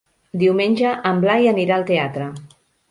Diumenge en Blai anirà al teatre.